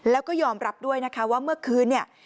แล้วก็ยอมรับด้วยนะคะว่าเมื่อคืนเนี่ย